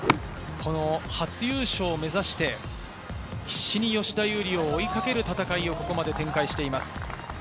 初優勝を目指して必死に吉田優利を追いかける戦いをここまで展開しています。